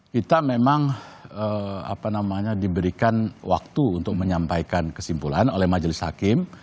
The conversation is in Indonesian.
kita memang diberikan waktu untuk menyampaikan kesimpulan oleh majelis hakim